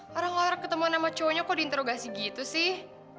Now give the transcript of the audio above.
harap harap ketemuan sama cowoknya kok diinterogasi gitu sih